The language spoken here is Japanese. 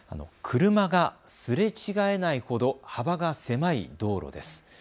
車がすれ違えないほど幅が狭い道路です。